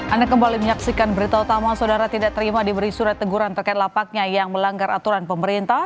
anda kembali menyaksikan berita utama saudara tidak terima diberi surat teguran terkait lapaknya yang melanggar aturan pemerintah